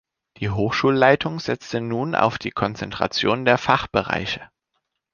Die Hochschulleitung setzte nun auf die Konzentration der Fachbereiche.